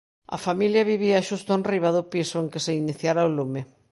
A familia vivía xusto enriba do piso en que se iniciara o lume.